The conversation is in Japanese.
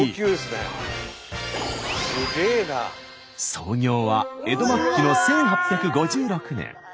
創業は江戸末期の１８５６年。